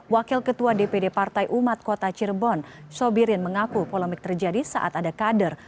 wakil ketua dpd partai umat kota cirebon sobirin mengaku polemik terjadi saat ada kader